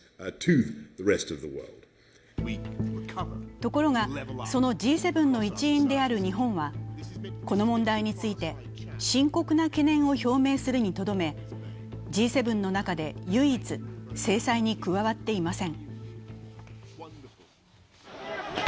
ところがそのＧ７の一員である日本はこの問題について、深刻な懸念を表明するにとどめＧ７の中で唯一制裁に加わっていません。